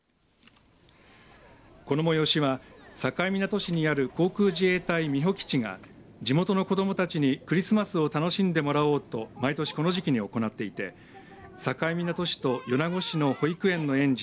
この催しは境港市にある航空自衛隊美保基地が地元の子どもたちにクリスマスを楽しんでもらおうと毎年この時期に行っていて境港市と米子市の保育園の園児